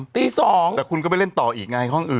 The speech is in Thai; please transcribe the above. ตี๒แต่คุณก็ไปเล่นต่ออีกไงห้องอื่น